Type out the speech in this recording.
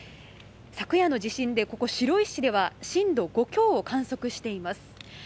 昨夜の地震で白石市では震度５強を観測しています。